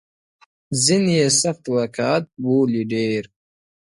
ځيني يې سخت واقعيت بولي ډېر،